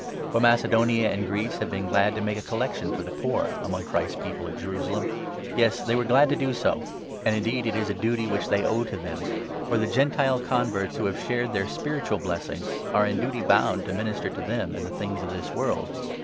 For Macedonia and Greece have been glad to 26 make a collection for the poor among Christ's People at Jerusalem. Yes, they were glad to do so ; and indeed it 27 is a duty which they owe to them. For the Gentile con verts who have shared their spiritual blessings are in duty bound to minister to them in the things of this world.